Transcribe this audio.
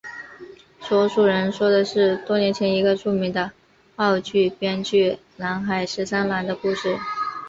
说书人说的是多年前一个著名的粤剧编剧南海十三郎的故事。